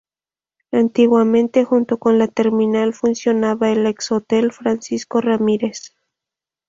Antiguamente junto con la terminal funcionaba el ex Hotel Francisco Ramírez.